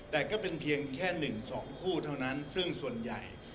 แต่ก็เป็นเพียงแค่๑๒คู่เท่านั้นซึ่งส่วนใหญ่